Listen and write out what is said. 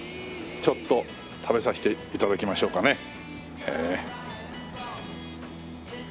ちょっと食べさせて頂きましょうかね。